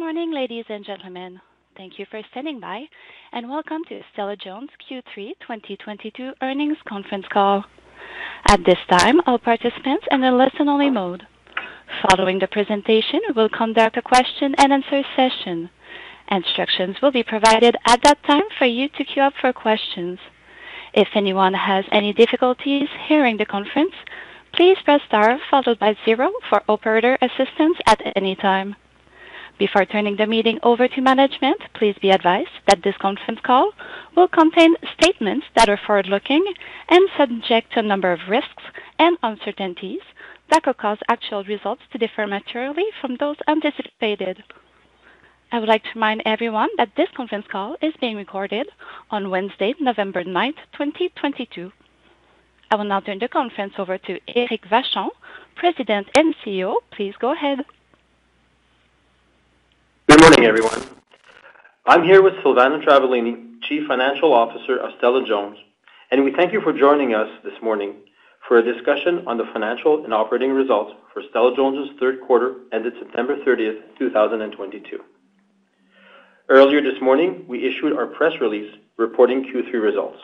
Good morning, ladies and gentlemen. Thank you for standing by, and welcome to Stella-Jones's Q3 2022 Earnings Conference Call. At this time, all participants are in a listen-only mode. Following the presentation, we will conduct a question-and-answer session. Instructions will be provided at that time for you to queue up for questions. If anyone has any difficulties hearing the conference, please press star followed by zero for operator assistance at any time. Before turning the meeting over to management, please be advised that this conference call will contain statements that are forward-looking and subject to a number of risks and uncertainties that could cause actual results to differ materially from those anticipated. I would like to remind everyone that this conference call is being recorded on Wednesday, November 9th, 2022. I will now turn the conference over to Éric Vachon, President and CEO. Please go ahead. Good morning, everyone. I'm here with Silvana Travaglini, Chief Financial Officer of Stella-Jones, and we thank you for joining us this morning for a discussion on the financial and operating results for Stella-Jones's Q3 ended September 30th, 2022. Earlier this morning, we issued our press release reporting Q3 results.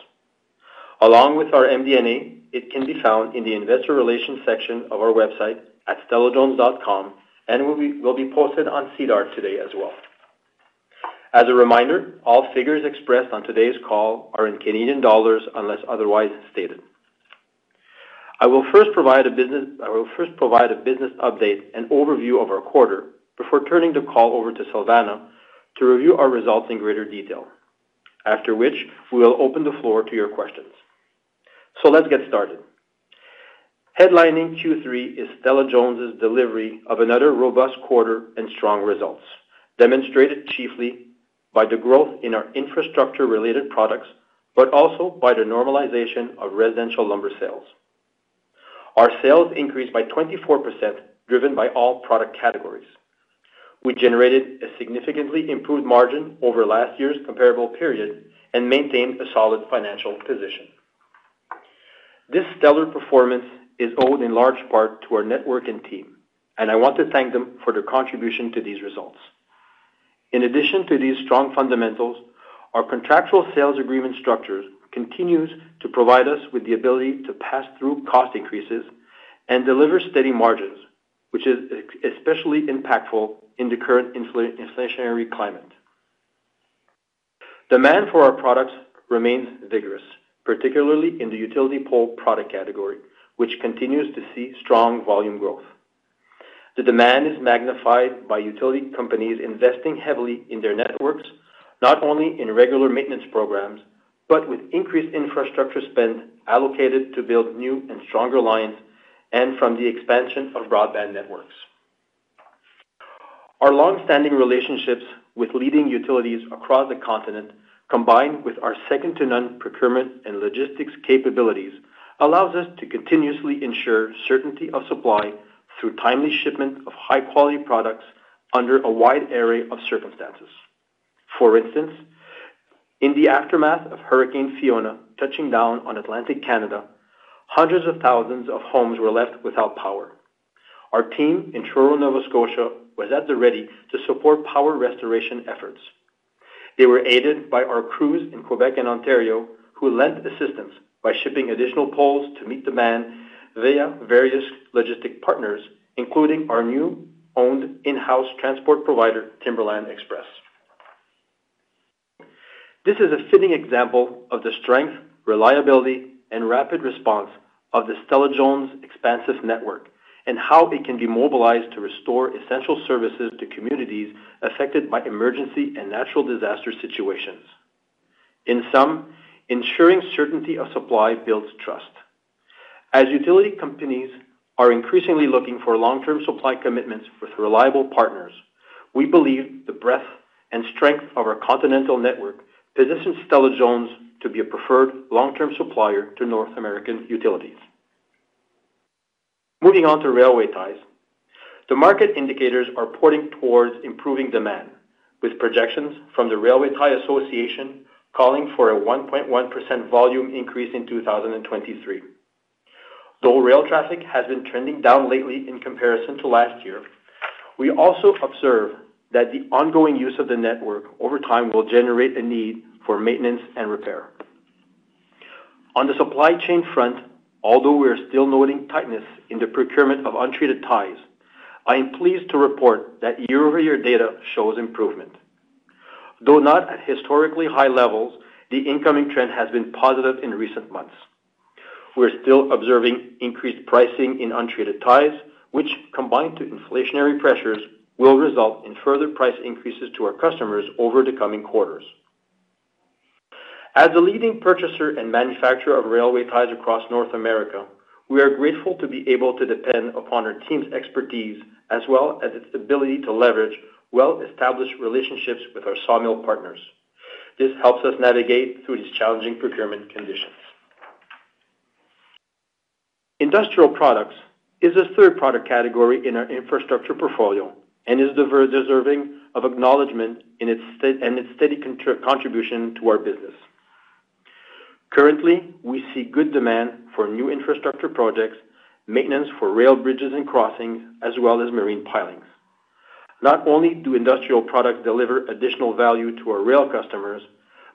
Along with our MD&A, it can be found in the investor relations section of our website at stellajones.com and will be posted on SEDAR today as well. As a reminder, all figures expressed on today's call are in Canadian dollars, unless otherwise stated. I will first provide a business update and overview of our quarter before turning the call over to Silvana to review our results in greater detail. After which, we will open the floor to your questions. Let's get started. Headlining Q3 is Stella-Jones's delivery of another robust quarter and strong results, demonstrated chiefly by the growth in our infrastructure-related products, but also by the normalization of residential lumber sales. Our sales increased by 24%, driven by all product categories. We generated a significantly improved margin over last year's comparable period and maintained a solid financial position. This stellar performance is owed in large part to our network and team, and I want to thank them for their contribution to these results. In addition to these strong fundamentals, our contractual sales agreement structure continues to provide us with the ability to pass through cost increases and deliver steady margins, which is especially impactful in the current inflationary climate. Demand for our products remains vigorous, particularly in the utility pole product category, which continues to see strong volume growth. The demand is magnified by utility companies investing heavily in their networks, not only in regular maintenance programs, but with increased infrastructure spend allocated to build new and stronger lines and from the expansion of broadband networks. Our long-standing relationships with leading utilities across the continent, combined with our second-to-none procurement and logistics capabilities, allows us to continuously ensure certainty of supply through timely shipment of high-quality products under a wide array of circumstances. For instance, in the aftermath of Hurricane Fiona touching down on Atlantic Canada, hundreds of thousands of homes were left without power. Our team in Truro, Nova Scotia, was at the ready to support power restoration efforts. They were aided by our crews in Quebec and Ontario, who lent assistance by shipping additional poles to meet demand via various logistic partners, including our newly owned in-house transport provider, Timberline Express. This is a fitting example of the strength, reliability, and rapid response of the Stella-Jones expansive network and how it can be mobilized to restore essential services to communities affected by emergency and natural disaster situations. In sum, ensuring certainty of supply builds trust. As utility companies are increasingly looking for long-term supply commitments with reliable partners, we believe the breadth and strength of our continental network positions Stella-Jones to be a preferred long-term supplier to North American utilities. Moving on to railway ties. The market indicators are pointing towards improving demand, with projections from the Railway Tie Association calling for a 1.1% volume increase in 2023. Though rail traffic has been trending down lately in comparison to last year, we also observe that the ongoing use of the network over time will /generate a need for maintenance and repair. On the supply chain front, although we are still noting tightness in the procurement of untreated ties, I am pleased to report that year-over-year data shows improvement. Though not at historically high levels, the incoming trend has been positive in recent months. We're still observing increased pricing in untreated ties, which, combined with inflationary pressures, will result in further price increases to our customers over the coming quarters. As a leading purchaser and manufacturer of railway ties across North America, we are grateful to be able to depend upon our team's expertise as well as its ability to leverage well-established relationships with our sawmill partners. This helps us navigate through these challenging procurement conditions. Industrial products is a third product category in our infrastructure portfolio and is deserving of acknowledgment in its and its steady contribution to our business. Currently, we see good demand for new infrastructure projects, maintenance for rail bridges and crossings, as well as marine pilings. Not only do industrial products deliver additional value to our rail customers,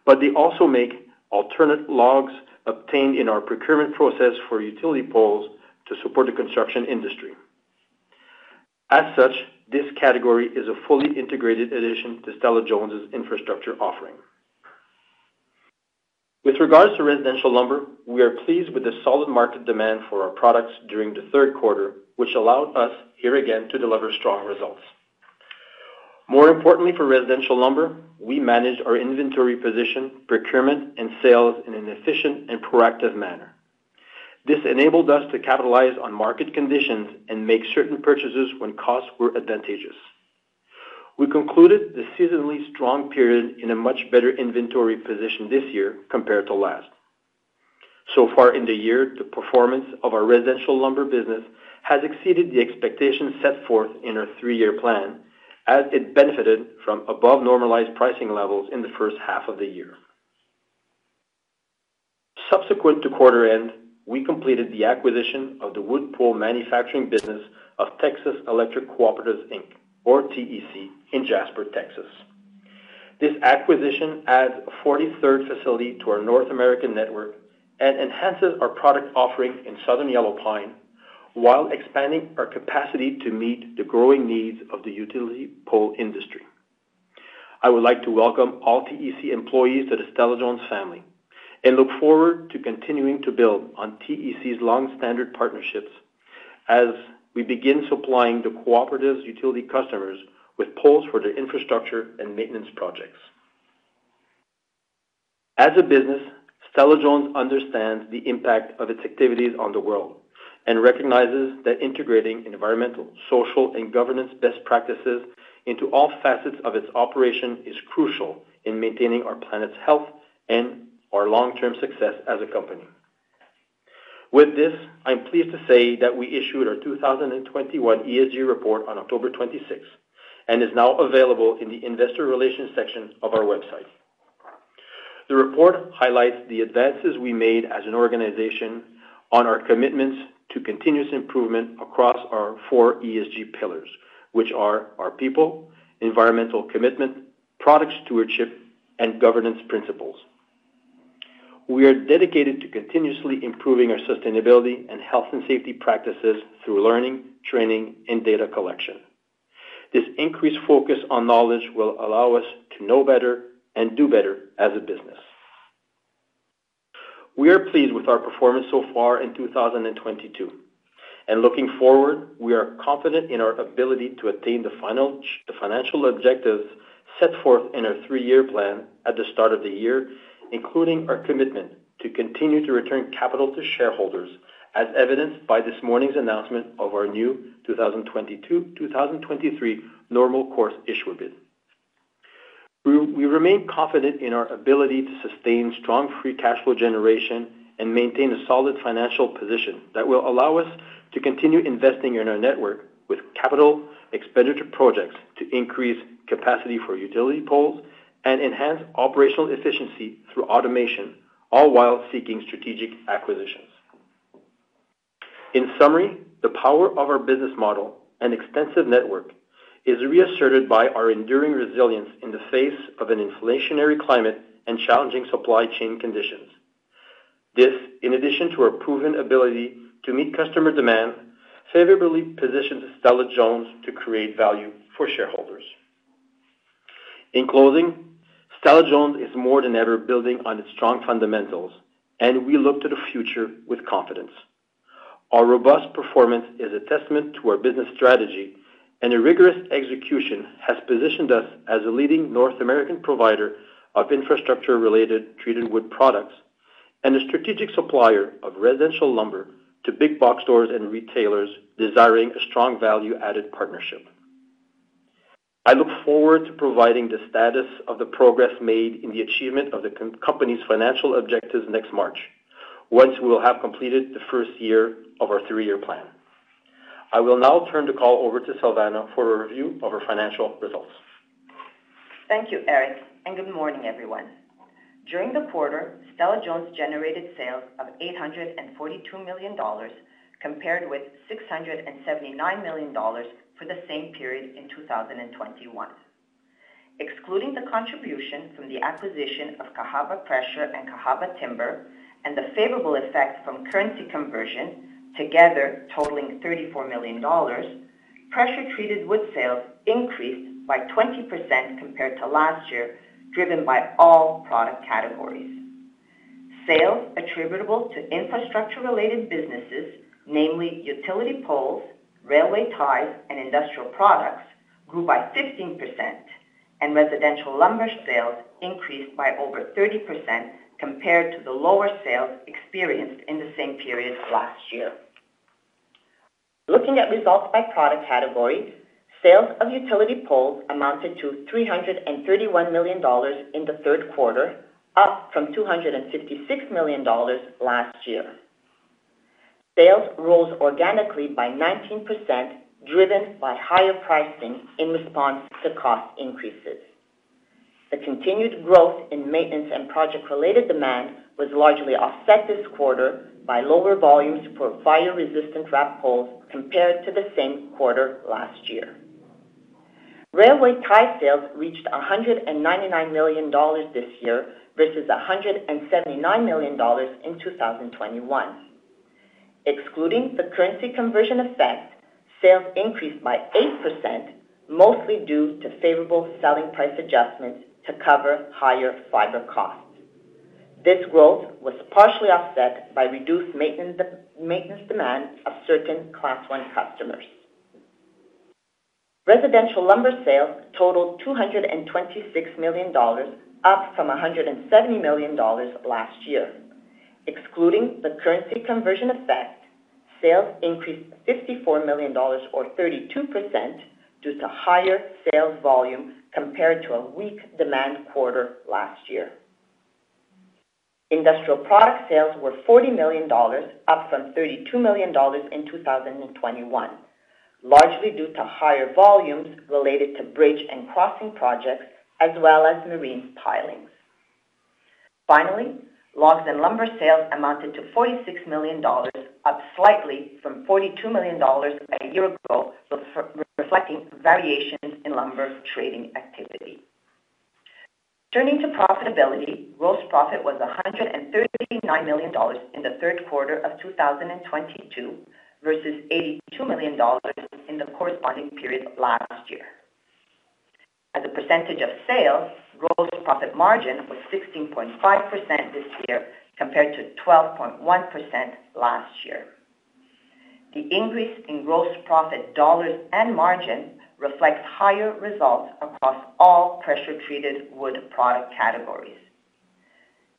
but they also make alternate logs obtained in our procurement process for utility poles to support the construction industry. As such, this category is a fully integrated addition to Stella-Jones' infrastructure offering. With regards to residential lumber, we are pleased with the solid market demand for our products during the Q3, which allowed us here again to deliver strong results. More importantly for residential lumber, we managed our inventory position, procurement, and sales in an efficient and proactive manner. This enabled us to capitalize on market conditions and make certain purchases when costs were advantageous. We concluded the seasonally strong period in a much better inventory position this year compared to last. So far in the year, the performance of our residential lumber business has exceeded the expectations set forth in our three-year plan as it benefited from above normalized pricing levels in the first half of the year. Subsequent to quarter end, we completed the acquisition of the wood pole manufacturing business of Texas Electric Cooperatives, Inc., or TEC, in Jasper, Texas. This acquisition adds a 43rd facility to our North American network and enhances our product offering in Southern Yellow Pine while expanding our capacity to meet the growing needs of the utility pole industry. I would like to welcome all TEC employees to the Stella-Jones family and look forward to continuing to build on TEC's long-standing partnerships as we begin supplying the cooperative's utility customers with poles for their infrastructure and maintenance projects. As a business, Stella-Jones understands the impact of its activities on the world and recognizes that integrating environmental, social, and governance best practices into all facets of its operation is crucial in maintaining our planet's health and our long-term success as a company. With this, I am pleased to say that we issued our 2021 ESG report on October 26th, and is now available in the investor relations section of our website. The report highlights the advances we made as an organization on our commitments to continuous improvement across our four ESG pillars, which are our people, environmental commitment, product stewardship, and governance principles. We are dedicated to continuously improving our sustainability and health and safety practices through learning, training, and data collection. This increased focus on knowledge will allow us to know better and do better as a business. We are pleased with our performance so far in 2022. Looking forward, we are confident in our ability to attain the financial objectives set forth in our three-year plan at the start of the year, including our commitment to continue to return capital to shareholders as evidenced by this morning's announcement of our new 2022-2023 Normal Course Issuer Bid. We remain confident in our ability to sustain strong free cash flow generation and maintain a solid financial position that will allow us to continue investing in our network with capital expenditure projects to increase capacity for utility poles and enhance operational efficiency through automation, all while seeking strategic acquisitions. In summary, the power of our business model and extensive network is reasserted by our enduring resilience in the face of an inflationary climate and challenging supply chain conditions. This, in addition to our proven ability to meet customer demand, favorably positions Stella-Jones to create value for shareholders. In closing, Stella-Jones is more than ever building on its strong fundamentals, and we look to the future with confidence. Our robust performance is a testament to our business strategy, and a rigorous execution has positioned us as a leading North American provider of infrastructure-related treated wood products and a strategic supplier of residential lumber to big box stores and retailers desiring a strong value-added partnership. I look forward to providing the status of the progress made in the achievement of the company's financial objectives next March, once we will have completed the first year of our three-year plan. I will now turn the call over to Silvana for a review of our financial results. Thank you, Éric, and good morning, everyone. During the quarter, Stella-Jones generated sales of 842 million dollars, compared with 679 million dollars for the same period in 2021. Excluding the contribution from the acquisition of Cahaba Pressure and Cahaba Timber and the favorable effect from currency conversion, together totaling 34 million dollars, pressure treated wood sales increased by 20% compared to last year, driven by all product categories. Sales attributable to infrastructure-related businesses, namely utility poles, railway ties, and industrial products, grew by 15%, and residential lumber sales increased by over 30% compared to the lower sales experienced in the same period last year. Looking at results by product category, sales of utility poles amounted to 331 million dollars in the Q3, up from 256 million dollars last year. Sales rose organically by 19%, driven by higher pricing in response to cost increases. The continued growth in maintenance and project-related demand was largely offset this quarter by lower volumes for fire-resistant wrapped poles compared to the same quarter last year. Railway ties sales reached 199 million dollars this year, versus 179 million dollars in 2021. Excluding the currency conversion effect, sales increased by 8%, mostly due to favorable selling price adjustments to cover higher fiber costs. This growth was partially offset by reduced maintenance demand of certain Class I customers. Residential lumber sales totaled 226 million dollars, up from 170 million dollars last year. Excluding the currency conversion effect, sales increased 54 million dollars or 32% due to higher sales volume compared to a weak demand quarter last year. Industrial product sales were 40 million dollars, up from 32 million dollars in 2021, largely due to higher volumes related to bridge and crossing projects as well as marine pilings. Finally, logs and lumber sales amounted to 46 million dollars, up slightly from 42 million dollars a year ago, reflecting variations in lumber trading activity. Turning to profitability, gross profit was 139 million dollars in the Q3 of 2022 versus 82 million dollars in the corresponding period last year. As a percentage of sales, gross profit margin was 16.5% this year compared to 12.1% last year. The increase in gross profit dollars and margin reflects higher results across all pressure-treated wood product categories.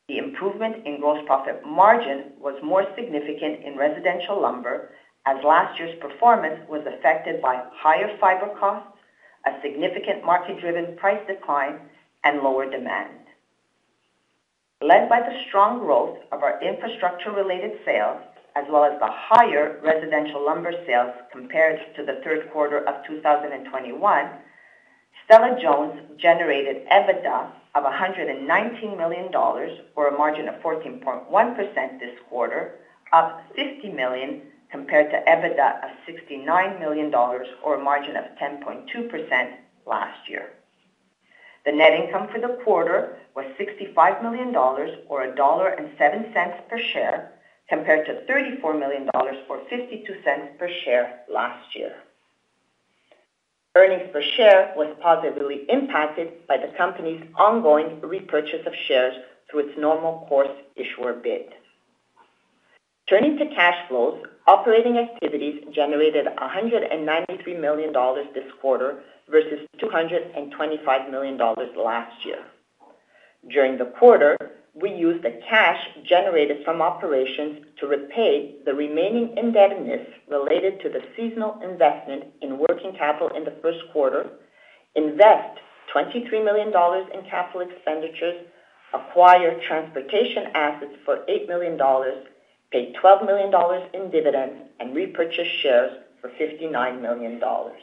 The improvement in gross profit margin was more significant in residential lumber, as last year's performance was affected by higher fiber costs, a significant market-driven price decline, and lower demand. Led by the strong growth of our infrastructure-related sales, as well as the higher residential lumber sales compared to the Q3 of 2021, Stella-Jones generated EBITDA of 119 million dollars or a margin of 14.1% this quarter, up 50 million compared to EBITDA of 69 million dollars or a margin of 10.2% last year. The net income for the quarter was 65 million dollars or 1.07 dollar per share, compared to 34 million dollars, or 0.52 per share last year. Earnings per share was positively impacted by the company's ongoing repurchase of shares through its Normal Course Issuer Bid. Turning to cash flows, operating activities generated 193 million dollars this quarter versus 225 million dollars last year. During the quarter, we used the cash generated from operations to repay the remaining indebtedness related to the seasonal investment in working capital in the Q1, invest 23 million dollars in capital expenditures, acquire transportation assets for 8 million dollars, pay 12 million dollars in dividends, and repurchase shares for 59 million dollars.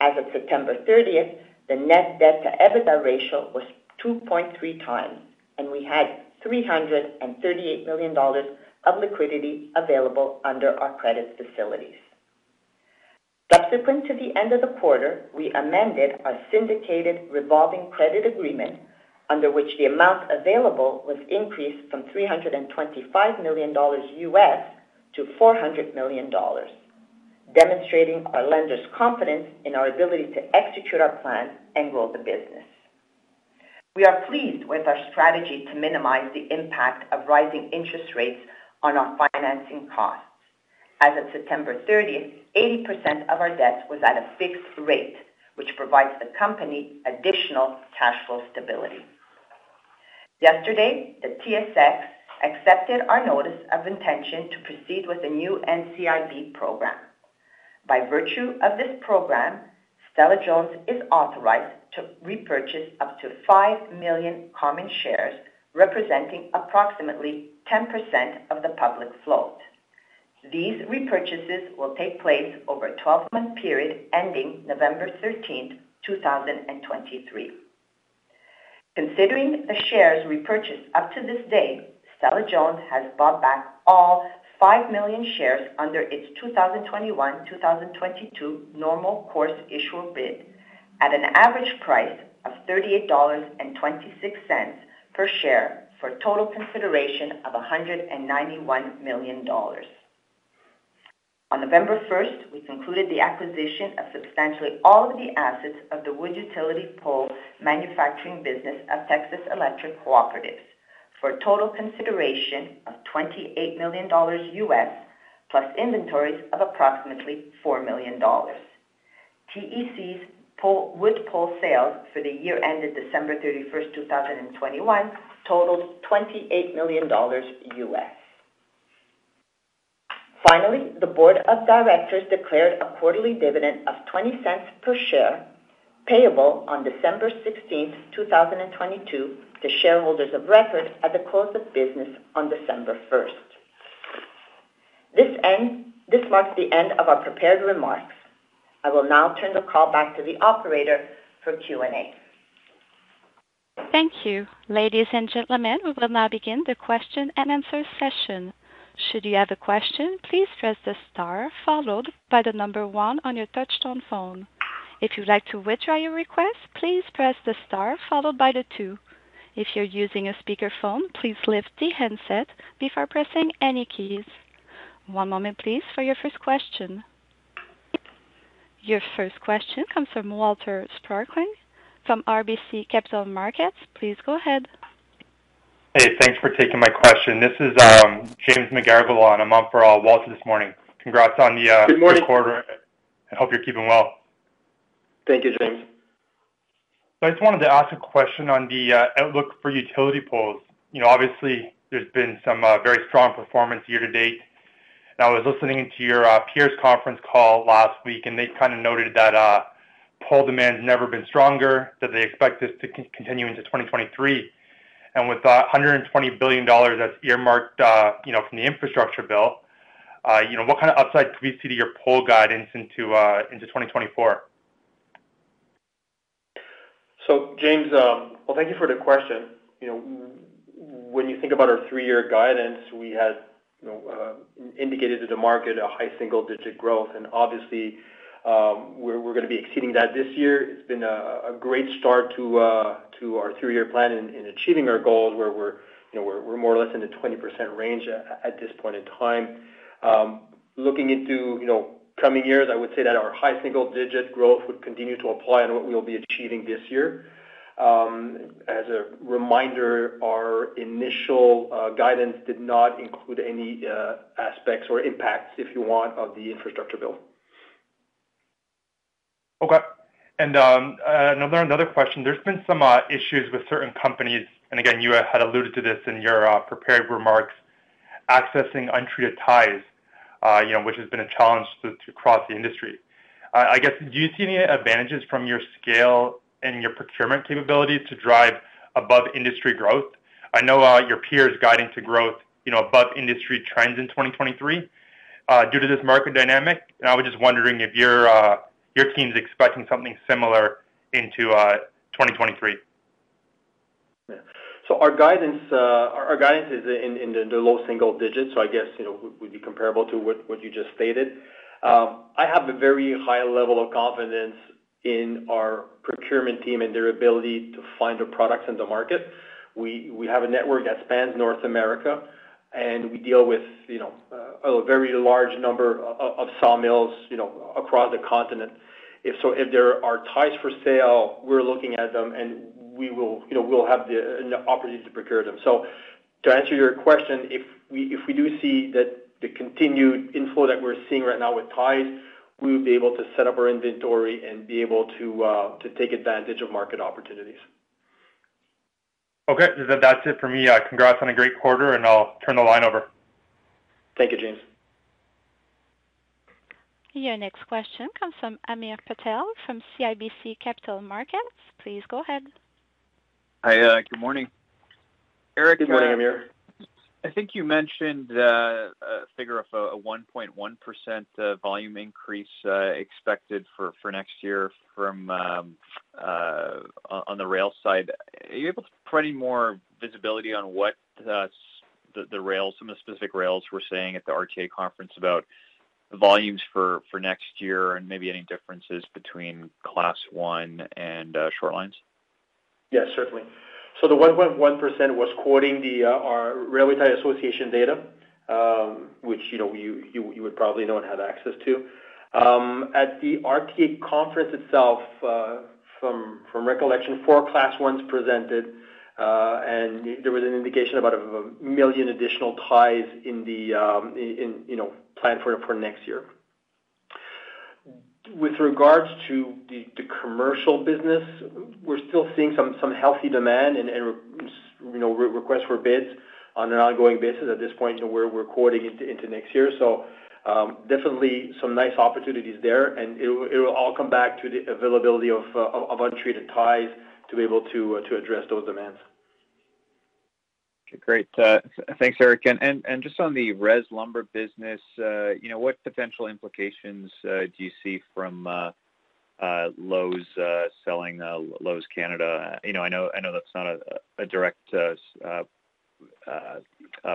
As of September thirtieth, the net debt-to-EBITDA ratio was 2.3x, and we had 338 million dollars of liquidity available under our credit facilities. Subsequent to the end of the quarter, we amended our syndicated revolving credit agreement under which the amount available was increased from $325 million-$400 million, demonstrating our lenders' confidence in our ability to execute our plan and grow the business. We are pleased with our strategy to minimize the impact of rising interest rates on our financing costs. As of September 30th, 80% of our debt was at a fixed rate, which provides the company additional cash flow stability. Yesterday, the TSX accepted our notice of intention to proceed with a new NCIB program. By virtue of this program, Stella-Jones is authorized to repurchase up to five million common shares, representing approximately 10% of the public float. These repurchases will take place over a 12-month period ending November 13th, 2023. Considering the shares repurchased up to this date, Stella-Jones has bought back all five million shares under its 2021/2022 Normal Course Issuer Bid at an average price of 38.26 dollars per share for a total consideration of 191 million dollars. On November 1st, we concluded the acquisition of substantially all of the assets of the wood utility pole manufacturing business of Texas Electric Cooperatives for a total consideration of $28 million plus inventories of approximately $4 million. TEC's wood pole sales for the year ended December 31st, 2021, totaled $28 million. Finally, the board of directors declared a quarterly dividend of $0.20 per share. Payable on December 16th, 2022 to shareholders of record at the close of business on December 1st. This marks the end of our prepared remarks. I will now turn the call back to the operator for Q&A. Thank you. Ladies and gentlemen, we will now begin the question and answer session. Should you have a question, please press the star followed by one on your touchtone phone. If you'd like to withdraw your request, please press the star followed by two. If you're using a speakerphone, please lift the handset before pressing any keys. One moment please for your first question. Your first question comes from Walter Spracklin from RBC Capital Markets. Please go ahead. Hey, thanks for taking my question. This is James McGarragle. I'm on for Walter this morning. Congrats on the- Good morning. Good quarter. I hope you're keeping well. Thank you, James. I just wanted to ask a question on the outlook for utility poles. You know, obviously, there's been some very strong performance year to date. I was listening to your peers conference call last week, and they kind of noted that pole demand's never been stronger, that they expect this to continue into 2023. With the $120 billion that's earmarked, you know, from the infrastructure bill, you know, what kind of upside do we see to your pole guidance into 2024? James, well, thank you for the question. You know, when you think about our three-year guidance, we had, you know, indicated to the market a high single-digit growth, and obviously, we're gonna be exceeding that this year. It's been a great start to our three-year plan in achieving our goals where we're, you know, more or less in the 20% range at this point in time. Looking into, you know, coming years, I would say that our high single-digit growth would continue to apply on what we'll be achieving this year. As a reminder, our initial guidance did not include any aspects or impacts, if you want, of the infrastructure bill. Okay. Another question. There's been some issues with certain companies, and again, you had alluded to this in your prepared remarks, accessing untreated ties, you know, which has been a challenge across the industry. I guess, do you see any advantages from your scale and your procurement capabilities to drive above industry growth? I know, your peers guiding to growth, you know, above industry trends in 2023, due to this market dynamic. I was just wondering if your team's expecting something similar into 2023. Yeah. Our guidance is in the low single digits, so I guess, you know, would be comparable to what you just stated. I have a very high level of confidence in our procurement team and their ability to find the products in the market. We have a network that spans North America, and we deal with, you know, a very large number of sawmills, you know, across the continent. If there are ties for sale, we're looking at them, and we'll have the opportunity to procure them. To answer your question, if we do see the continued inflow that we're seeing right now with ties, we would be able to set up our inventory and be able to take advantage of market opportunities. Okay. That's it for me. Congrats on a great quarter, and I'll turn the line over. Thank you, James. Your next question comes from Hamir Patel from CIBC Capital Markets. Please go ahead. Hi. Good morning. Eric- Good morning, Hamir. I think you mentioned a figure of a 1.1% volume increase expected for next year from on the rail side. Are you able to provide any more visibility on what the rails, some of the specific rails we're seeing at the RTA conference about the volumes for next year and maybe any differences between Class I and short lines? Yes, certainly. The 1.1% was quoting our Railway Tie Association data, which, you know, you would probably know and have access to. At the RTA conference itself, from recollection, four Class I's presented, and there was an indication about a million additional ties in, you know, planned for next year. With regards to the commercial business, we're still seeing some healthy demand and, you know, requests for bids on an ongoing basis. At this point, we're recording into next year, so definitely some nice opportunities there. It will all come back to the availability of untreated ties to be able to address those demands. Okay, great. Thanks, Éric. Just on the res lumber business, you know, what potential implications do you see from Lowe's selling Lowe's Canada? You know, I know that's not a direct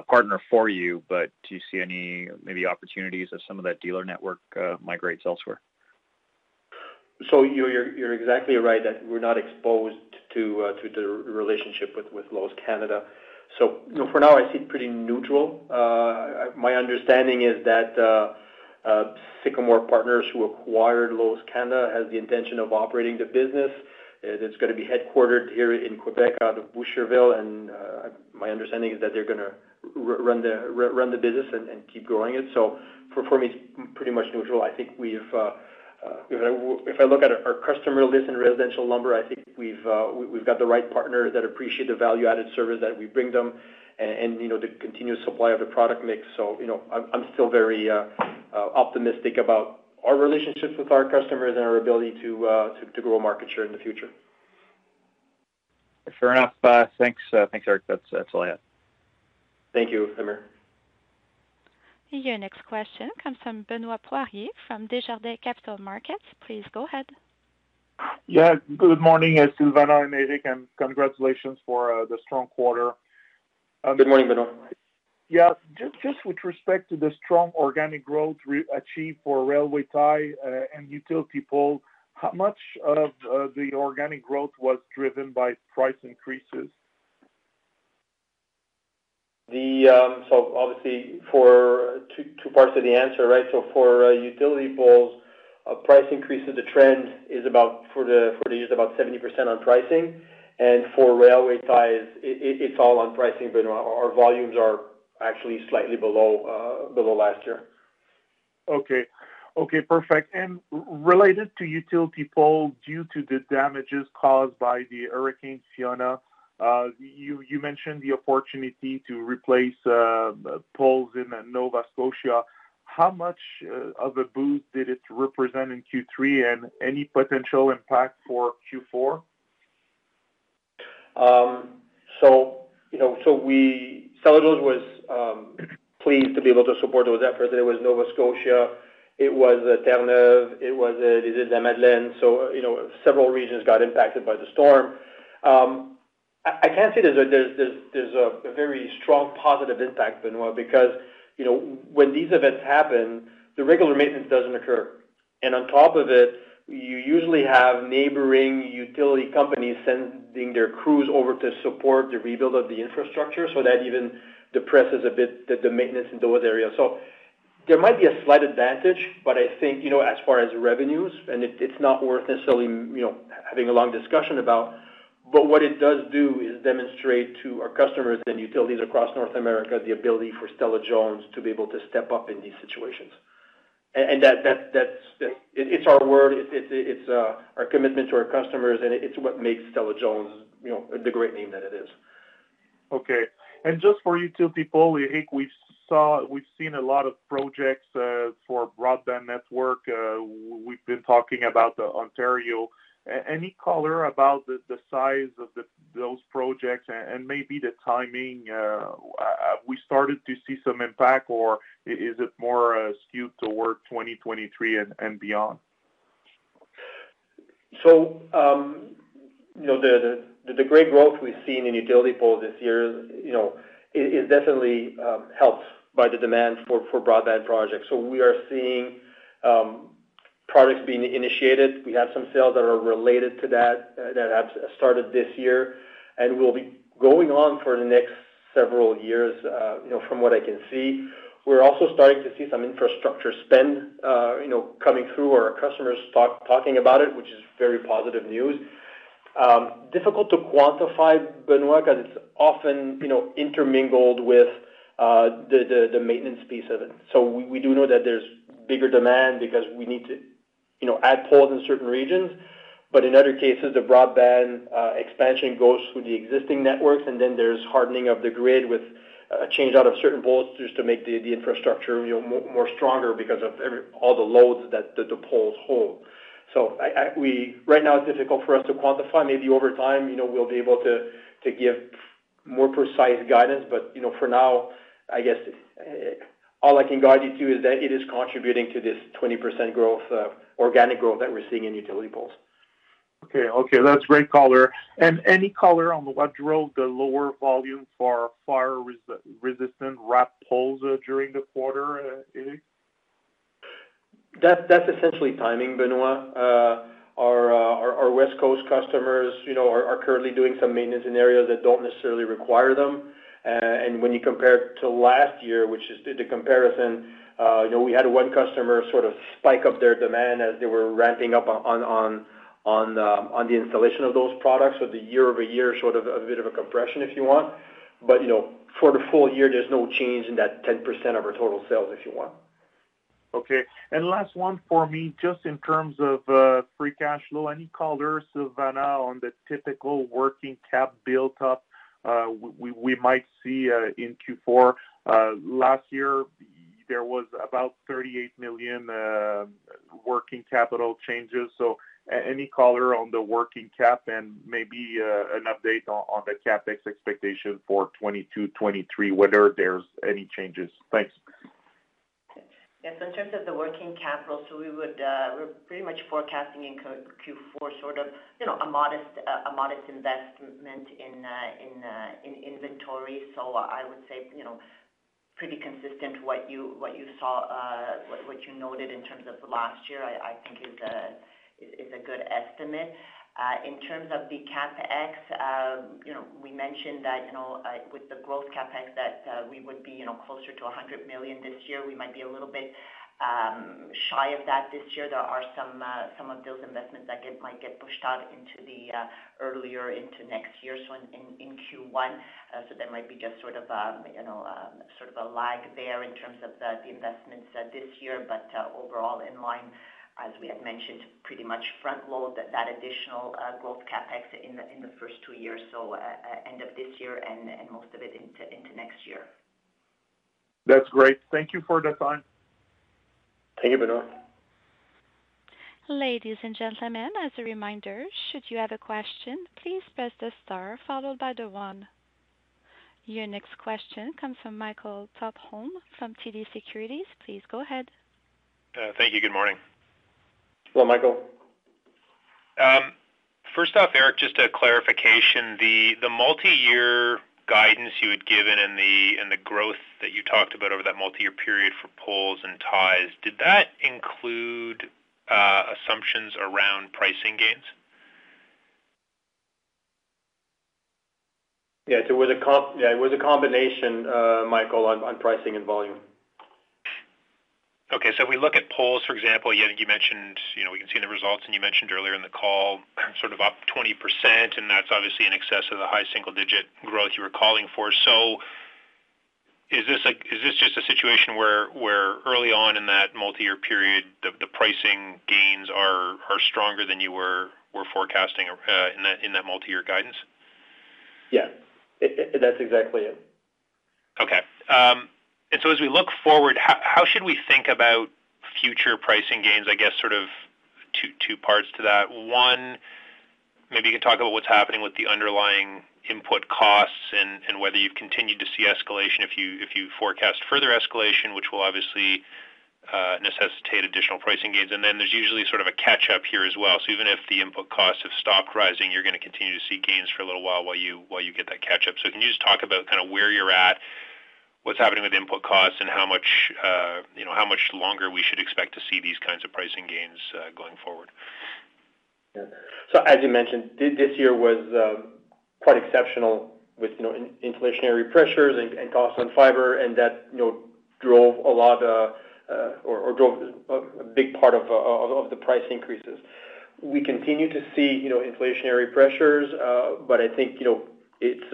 partner for you, but do you see any maybe opportunities as some of that dealer network migrates elsewhere? You're exactly right that we're not exposed to the relationship with Lowe's Canada. For now, I see it pretty neutral. My understanding is that Sycamore Partners who acquired Lowe's Canada has the intention of operating the business. It is gonna be headquartered here in Quebec out of Boucherville, and my understanding is that they're gonna run the business and keep growing it. For me, it's pretty much neutral. If I look at our customer list in residential lumber, I think we've got the right partners that appreciate the value-added service that we bring them and, you know, the continuous supply of the product mix. You know, I'm still very optimistic about our relationships with our customers and our ability to grow market share in the future. Fair enough. Thanks, Éric. That's all I have. Thank you, Hamir. Your next question comes from Benoit Poirier from Desjardins Capital Markets. Please go ahead. Yeah, good morning, Silvana and Éric, and congratulations for the strong quarter. Good morning, Benoit. Yeah. Just with respect to the strong organic growth achieved for railway ties and utility poles, how much of the organic growth was driven by price increases? Obviously for two parts of the answer, right? For utility poles, price increases, the trend is about 70% on pricing. For railway ties, it's all on pricing, Benoit. Our volumes are actually slightly below last year. Okay. Okay, perfect. Related to utility pole, due to the damages caused by the Hurricane Fiona, you mentioned the opportunity to replace poles in Nova Scotia. How much of a boost did it represent in Q3, and any potential impact for Q4? Stella-Jones was pleased to be able to support those efforts. It was Nova Scotia, it was Terrebonne, it was the Îles-de-la-Madeleine. You know, several regions got impacted by the storm. I can't say there's a very strong positive impact, Benoit, because, you know, when these events happen, the regular maintenance doesn't occur. On top of it, you usually have neighboring utility companies sending their crews over to support the rebuild of the infrastructure, so that even depresses a bit the maintenance in those areas. There might be a slight advantage, but I think, you know, as far as revenues, and it's not worth necessarily, you know, having a long discussion about. What it does do is demonstrate to our customers and utilities across North America the ability for Stella-Jones to be able to step up in these situations. That's our word. It's our commitment to our customers, and it's what makes Stella-Jones, you know, the great name that it is. Okay. Just for utility pole, Eric, we've seen a lot of projects for broadband network. We've been talking about Ontario. Any color about the size of those projects and maybe the timing? We started to see some impact, or is it more skewed toward 2023 and beyond? You know, the great growth we've seen in utility poles this year, you know, it definitely is helped by the demand for broadband projects. We are seeing projects being initiated. We have some sales that are related to that have started this year and will be going on for the next several years, you know, from what I can see. We're also starting to see some infrastructure spend, you know, coming through, or our customers talking about it, which is very positive news. Difficult to quantify, Benoit, because it's often, you know, intermingled with the maintenance piece of it. We do know that there's bigger demand because we need to, you know, add poles in certain regions. In other cases, the broadband expansion goes through the existing networks, and then there's hardening of the grid with a change-out of certain poles just to make the infrastructure, you know, more stronger because of all the loads that the poles hold. Right now it's difficult for us to quantify. Maybe over time, you know, we'll be able to give more precise guidance. For now, I guess, all I can guide you to is that it is contributing to this 20% growth, organic growth that we're seeing in utility poles. Okay, that's great color. Any color on what drove the lower volume for fire-resistant wrapped poles during the quarter, Eric? That's essentially timing, Benoit. Our West Coast customers, you know, are currently doing some maintenance in areas that don't necessarily require them. When you compare to last year, which is the comparison, you know, we had one customer sort of spike up their demand as they were ramping up on the installation of those products. The year-over-year, sort of a bit of a compression, if you want. You know, for the full year, there's no change in that 10% of our total sales, if you want. Okay. Last one for me, just in terms of free cash flow. Any color, Silvana, on the typical working cap build up we might see in Q4? Last year there was about 38 million working capital changes. Any color on the working cap and maybe an update on the CapEx expectation for 2022, 2023, whether there's any changes. Thanks. Yes. In terms of the working capital, we're pretty much forecasting in Q4 sort of, you know, a modest investment in inventory. I would say, you know, pretty consistent with what you saw, what you noted in terms of last year, I think it is a good estimate. In terms of the CapEx, you know, we mentioned that, you know, with the growth CapEx that, we would be, you know, closer to 100 million this year. We might be a little bit shy of that this year. There are some of those investments that might get pushed out into the earlier into next year, in Q1. There might be just sort of, you know, sort of a lag there in terms of the investments this year, but overall in line, as we had mentioned, pretty much front load that additional growth CapEx in the first two years, so end of this year and most of it into next year. That's great. Thank you for the time. Thank you, Benoit. Ladies and gentlemen, as a reminder, should you have a question, please press the star followed by the one. Your next question comes from Michael Tupholme from TD Securities. Please go ahead. Thank you. Good morning. Hello, Michael. First off, Éric, just a clarification. The multi-year guidance you had given and the growth that you talked about over that multi-year period for poles and ties, did that include assumptions around pricing gains? It was a combination, Michael, on pricing and volume. Okay. We look at poles, for example, you know, you mentioned, you know, we can see the results and you mentioned earlier in the call sort of up 20%, and that's obviously in excess of the high single-digit growth you were calling for. Is this just a situation where early on in that multi-year period, the pricing gains are stronger than you were forecasting in that multi-year guidance? Yeah. That's exactly it. Okay. As we look forward, how should we think about future pricing gains? I guess sort of two parts to that. One, maybe you could talk about what's happening with the underlying input costs and whether you've continued to see escalation, if you forecast further escalation, which will obviously necessitate additional pricing gains. There's usually sort of a catch up here as well. Even if the input costs have stopped rising, you're gonna continue to see gains for a little while you get that catch up. Can you just talk about kinda where you're at, what's happening with input costs, and how much, you know, how much longer we should expect to see these kinds of pricing gains going forward? Yeah. As you mentioned, this year was quite exceptional with, you know, inflationary pressures and costs on fiber, and that, you know, drove a big part of the price increases. We continue to see, you know, inflationary pressures, but I think, you know, it's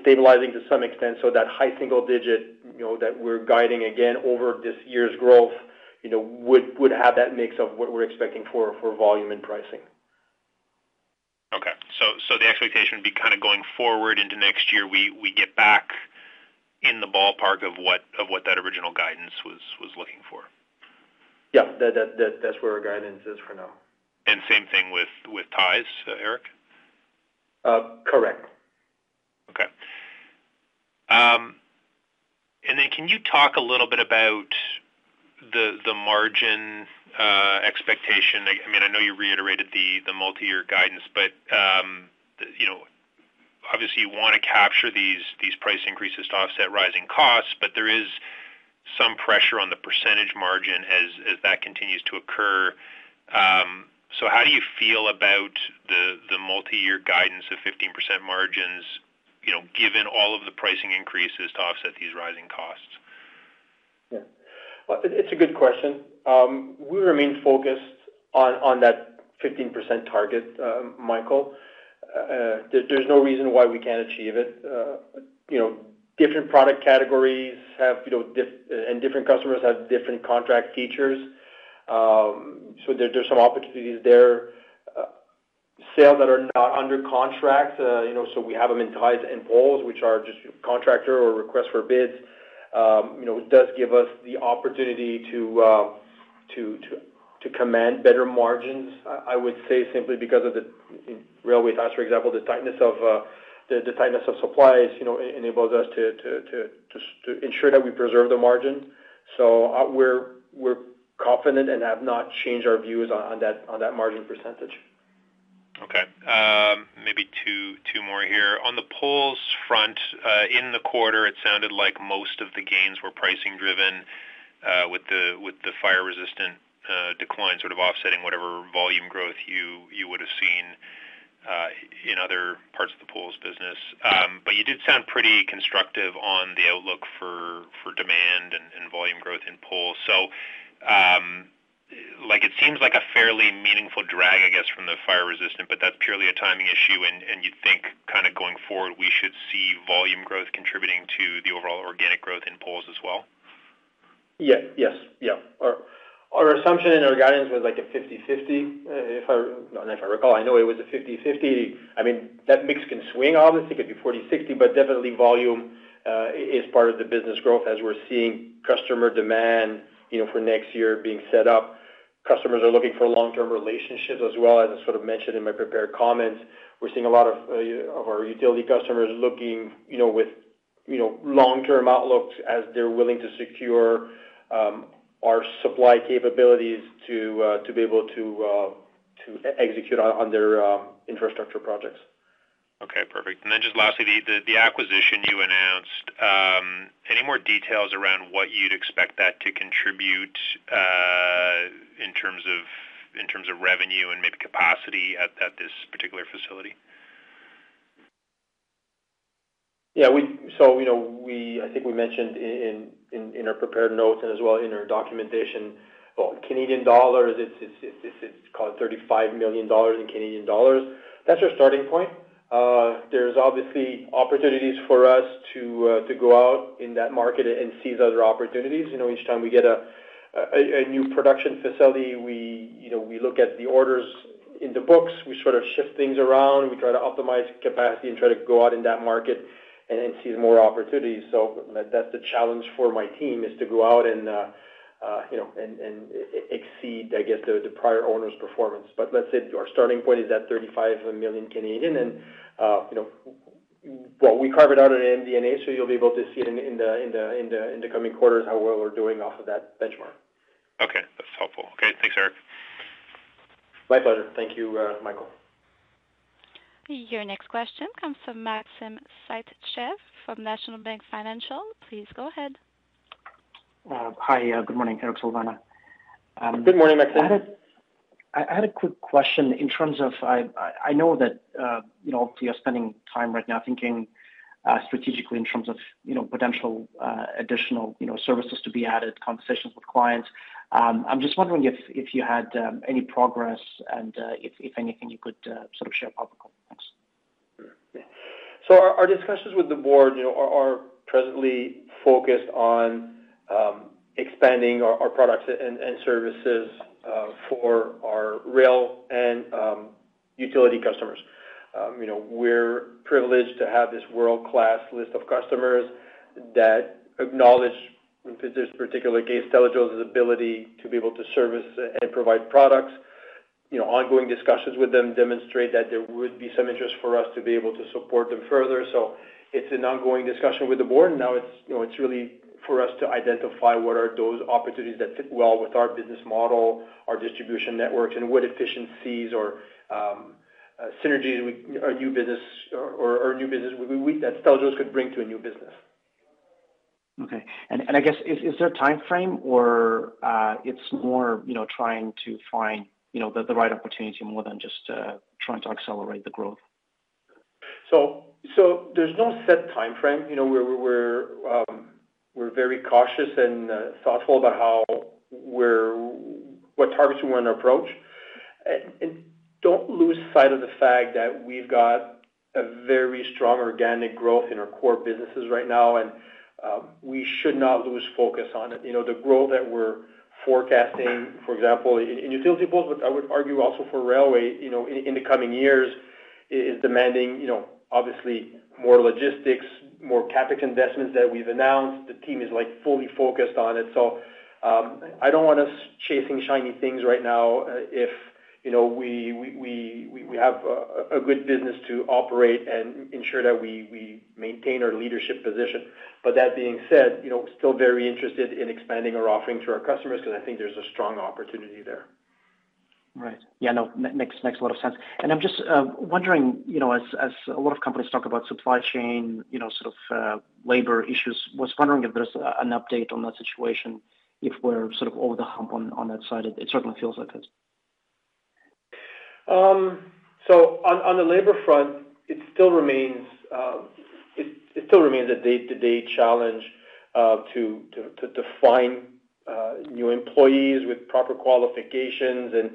stabilizing to some extent. That high single digit, you know, that we're guiding again over this year's growth, you know, would have that mix of what we're expecting for volume and pricing. Okay. The expectation would be kinda going forward into next year, we get back in the ballpark of what that original guidance was looking for. Yeah. That's where our guidance is for now. Same thing with ties, Eric? Correct. Okay. Can you talk a little bit about the margin expectation? I mean, I know you reiterated the multi-year guidance, but you know, obviously you wanna capture these price increases to offset rising costs, but there is some pressure on the percentage margin as that continues to occur. How do you feel about the multi-year guidance of 15% margins, you know, given all of the pricing increases to offset these rising costs? Well, it's a good question. We remain focused on that 15% target, Michael. There's no reason why we can't achieve it. You know, different product categories have, you know, and different customers have different contract features. There's some opportunities there. Sales that are not under contract, you know, so we have them in ties and poles, which are just contract or request for bids, you know, does give us the opportunity to command better margins. I would say simply because of the railway ties, for example, the tightness of supplies, you know, enables us to ensure that we preserve the margin. We're confident and have not changed our views on that margin percentage. Okay. Maybe two more here. On the poles front, in the quarter, it sounded like most of the gains were pricing driven, with the fire-resistant decline sort of offsetting whatever volume growth you would have seen, in other parts of the poles business. You did sound pretty constructive on the outlook for demand and volume growth in poles. Like, it seems like a fairly meaningful drag, I guess, from the fire-resistant, but that's purely a timing issue and you think kinda going forward, we should see volume growth contributing to the overall organic growth in poles as well? Yes. Our assumption in our guidance was like a 50/50. If I recall, I know it was a 50/50. I mean, that mix can swing, obviously. It could be 40/60, but definitely volume is part of the business growth as we're seeing customer demand, you know, for next year being set up. Customers are looking for long-term relationships as well. As I sort of mentioned in my prepared comments, we're seeing a lot of our utility customers looking, you know, with long-term outlooks as they're willing to secure our supply capabilities to be able to execute on their infrastructure projects. Okay, perfect. Just lastly, the acquisition you announced, any more details around what you'd expect that to contribute, in terms of revenue and maybe capacity at this particular facility? I think we mentioned in our prepared notes and as well in our documentation. Well, Canadian dollars, it's called 35 million dollars. That's our starting point. There's obviously opportunities for us to go out in that market and seize other opportunities. You know, each time we get a new production facility, you know, we look at the orders in the books, we sort of shift things around, we try to optimize capacity and try to go out in that market. We see more opportunities. That's the challenge for my team, is to go out and, you know, and exceed, I guess, the prior owner's performance. Let's say our starting point is at 35 million, and you know, well, we carved out an MD&A, so you'll be able to see it in the coming quarters how well we're doing off of that benchmark. Okay. That's helpful. Okay, thanks Éric. My pleasure. Thank you, Michael. Your next question comes from Maxim Sytchev from National Bank Financial. Please go ahead. Hi, good morning, Éric, Silvana. Good morning, Maxim. I had a quick question in terms of, I know that, you know, you're spending time right now thinking strategically in terms of, you know, potential additional, you know, services to be added, conversations with clients. I'm just wondering if you had any progress and if anything you could sort of share publicly. Thanks. Our discussions with the board, you know, are presently focused on expanding our products and services for our rail and utility customers. You know, we're privileged to have this world-class list of customers that acknowledge, in this particular case, Stella-Jones ability to be able to service and provide products. You know, ongoing discussions with them demonstrate that there would be some interest for us to be able to support them further. It's an ongoing discussion with the board. Now it's, you know, really for us to identify what are those opportunities that fit well with our business model, our distribution networks, and what efficiencies or synergies with our new business or new business that Stella-Jones could bring to a new business. Okay. I guess, is there a timeframe or it's more, you know, trying to find, you know, the right opportunity more than just trying to accelerate the growth? There's no set timeframe. You know, we're very cautious and thoughtful about what targets we wanna approach. Don't lose sight of the fact that we've got a very strong organic growth in our core businesses right now, and we should not lose focus on it. You know, the growth that we're forecasting, for example, in utility poles, but I would argue also for railway, you know, in the coming years is demanding, you know, obviously more logistics, more CapEx investments that we've announced. The team is, like, fully focused on it. I don't want us chasing shiny things right now if, you know, we have a good business to operate and ensure that we maintain our leadership position. That being said, you know, still very interested in expanding our offerings to our customers because I think there's a strong opportunity there. Right. Yeah, no, makes a lot of sense. I'm just wondering, you know, as a lot of companies talk about supply chain, you know, sort of labor issues. Was wondering if there's an update on that situation, if we're sort of over the hump on that side. It certainly feels like it. On the labor front, it still remains a day-to-day challenge to find new employees with proper qualifications and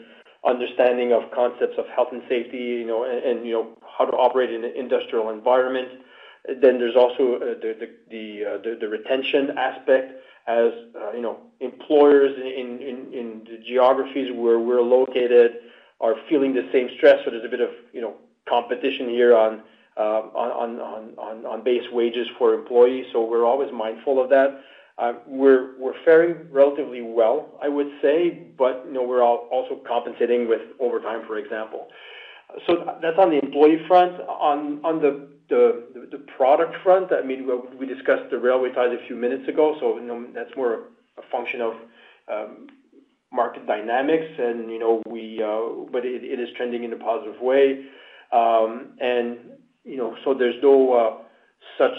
understanding of concepts of health and safety, you know, and you know, how to operate in an industrial environment. There's also the retention aspect as you know, employers in the geographies where we're located are feeling the same stress. There's a bit of you know, competition here on base wages for employees. We're always mindful of that. We're faring relatively well, I would say, but you know, we're also compensating with overtime, for example. That's on the employee front. On the product front, I mean, we discussed the railway ties a few minutes ago, so you know, that's more a function of market dynamics and you know. It is trending in a positive way. You know, so there's no such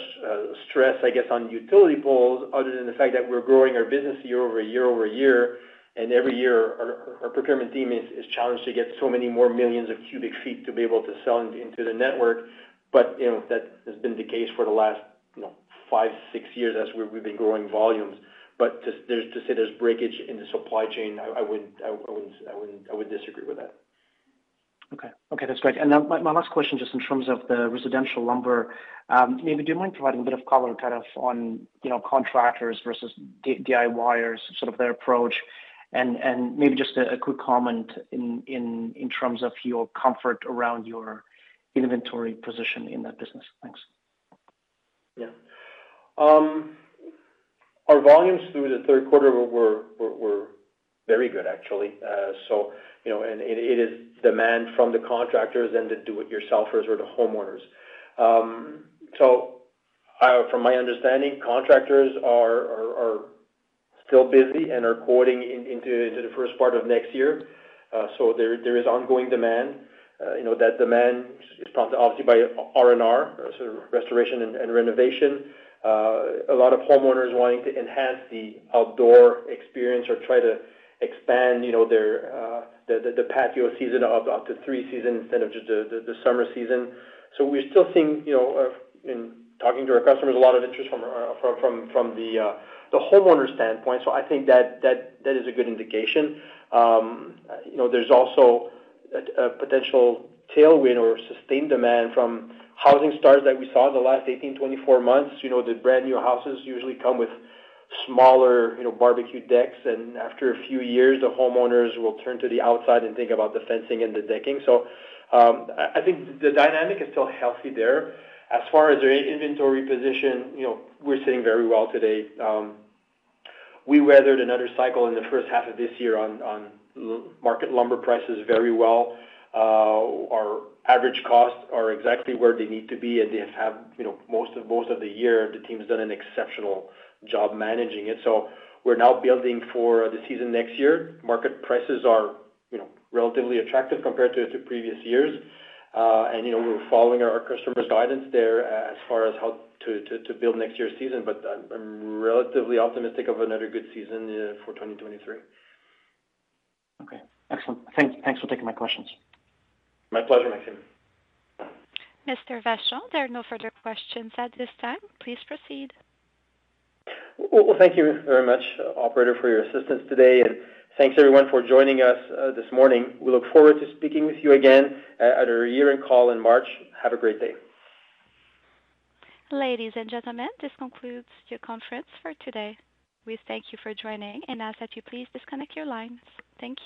stress, I guess, on utility poles other than the fact that we're growing our business year over year over year. Every year our procurement team is challenged to get so many more millions of cubic feet to be able to sell into the network. You know, that has been the case for the last you know, five, six years as we've been growing volumes. To say there's breakage in the supply chain, I would disagree with that. Okay. Okay, that's great. Now my last question, just in terms of the residential lumber, maybe do you mind providing a bit of color kind of on, you know, contractors versus DIYers, sort of their approach, and maybe just a quick comment in terms of your comfort around your inventory position in that business. Thanks. Our volumes through the Q3 were very good, actually. You know, it is demand from the contractors and the do-it-yourselfers or the homeowners. From my understanding, contractors are still busy and are quoting into the first part of next year. There is ongoing demand. You know, that demand is prompted obviously by R&R, sort of restoration and renovation. A lot of homeowners wanting to enhance the outdoor experience or try to expand, you know, their the patio season up to three seasons instead of just the summer season. We're still seeing, you know, in talking to our customers, a lot of interest from our from the homeowner standpoint. I think that is a good indication. You know, there's also a potential tailwind or sustained demand from housing starts that we saw in the last 18, 24 months. You know, the brand-new houses usually come with smaller, you know, barbecue decks, and after a few years, the homeowners will turn to the outside and think about the fencing and the decking. I think the dynamic is still healthy there. As far as our inventory position, you know, we're sitting very well today. We weathered another cycle in the first half of this year on market lumber prices very well. Our average costs are exactly where they need to be, and they have, you know, most of the year the team's done an exceptional job managing it. We're now building for the season next year. Market prices are, you know, relatively attractive compared to previous years. You know, we're following our customers' guidance there as far as how to build next year's season. I'm relatively optimistic of another good season for 2023. Okay. Excellent. Thanks for taking my questions. My pleasure, Maxim. Mr. Vachon, there are no further questions at this time. Please proceed. Well, thank you very much, operator, for your assistance today, and thanks everyone for joining us this morning. We look forward to speaking with you again at our year-end call in March. Have a great day. Ladies and gentlemen, this concludes your conference for today. We thank you for joining and ask that you please disconnect your lines. Thank you.